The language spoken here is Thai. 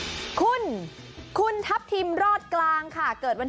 อย่างแรกเลยก็คือการทำบุญเกี่ยวกับเรื่องของพวกการเงินโชคลาภ